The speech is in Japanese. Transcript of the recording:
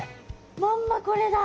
まんまこれだ。